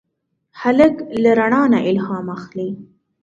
هلک له رڼا نه الهام اخلي.